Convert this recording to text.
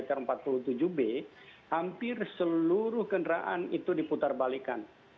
yang berada di silam empat puluh tujuh b hampir seluruh kendaraan itu diputar balikan